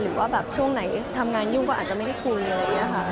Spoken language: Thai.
หรือว่าแบบช่วงไหนทำงานยุ่งก็อาจจะไม่ได้คุยอะไรอย่างนี้ค่ะ